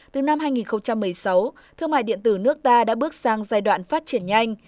hai nghìn một mươi sáu thương mại điện tử nước ta đã bước sang giai đoạn phát triển nhanh